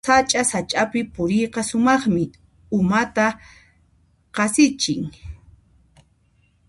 Sacha-sachapi puriyqa sumaqmi, umata qasichin.